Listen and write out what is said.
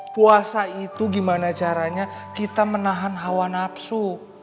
puasa itu gimana caranya kita menahan hawa nafsu